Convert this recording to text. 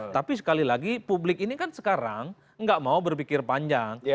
tapi sekali lagi publik ini kan sekarang nggak mau berpikir panjang